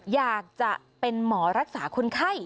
อยากจะเป็นหมอรักษาคนไข้